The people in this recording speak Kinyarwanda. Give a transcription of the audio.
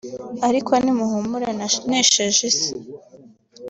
ariko nimuhumure nanesheje isi